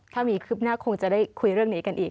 ถ้ามีคืบหน้าคงจะได้คุยเรื่องนี้กันอีก